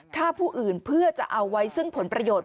ฆ่าผู้อื่นเพื่อจะเอาไว้ซึ่งผลประโยชน์